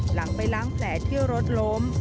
หลังไปล้างแผลที่รถล้ม